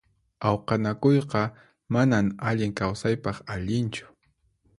Awqanakuyqa manan allin kawsaypaq allinchu.